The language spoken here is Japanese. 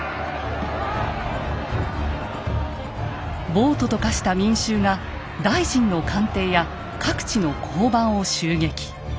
暴徒と化した民衆が大臣の官邸や各地の交番を襲撃。